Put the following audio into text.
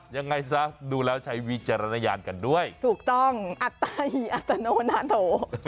ยังไงซะดูแล้วใช้วิจารณญาณกันด้วยถูกต้องอัตไตอัตโนนาโถ